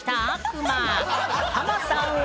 ハマさんは？